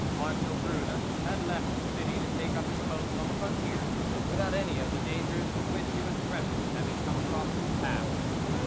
Marshal Brune had left the city to take up his post on the frontier, without any of the dangers with which he was threatened having come across his path.